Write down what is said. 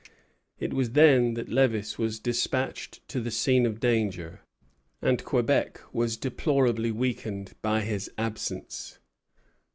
It was then that Lévis was despatched to the scene of danger; and Quebec was deplorably weakened by his absence.